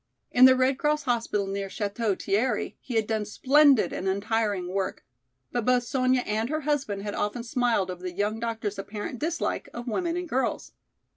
In the Red Cross hospital near Château Thierry he had done splendid and untiring work. But both Sonya and her husband had often smiled over the young doctor's apparent dislike of women and girls.